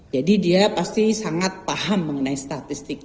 jadi dia pasti sangat paham mengenai statistik